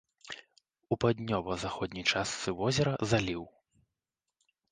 У паўднёва-заходняй частцы возера заліў.